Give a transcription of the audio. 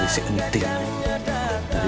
nenek juga sayang sama nenek